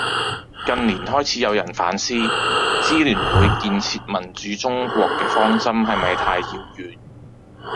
近年開始有人反思，支聯會「建設民主中國」嘅方針係咪太遙遠